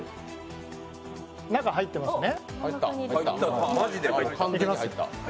中、入ってますね。